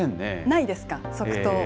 ないですか、即答。